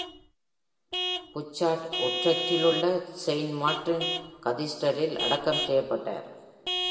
Burchard, உட்ரெக்ட்டிலுள்ள Saint Martin கதீட்ரலில் அடக்கஞ்செய்யப்பட்டார்.